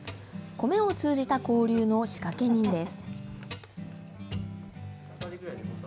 米を通じた交流の仕掛け人です。